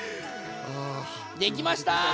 できました！